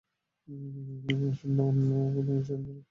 আসুন অন্য কোনো বিষয় নিয়ে আলাপ করি।